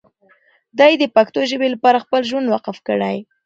دی د پښتو ژبې لپاره خپل ژوند وقف کړی.